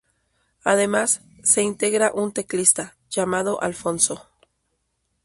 Además, se integra un teclista, llamado Alfonso.